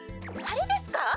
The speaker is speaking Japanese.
はれですか？